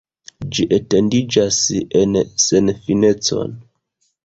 Ĝi etendiĝas en senfinecon.